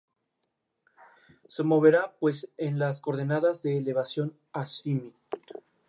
Fue profesor visitante en la Universidad de Copenhague y en la Universidad de Indiana.